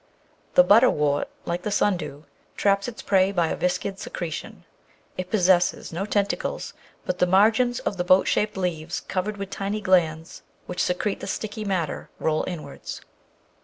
The butterwort, like the sundew, traps its prey by a viscid secretion; it possesses no tentacles, but the margins of the boat shaped leaves, covered with tiny glands which secrete the sticky matter, roll inwards.